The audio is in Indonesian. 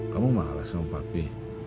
kamu malah sama pak pi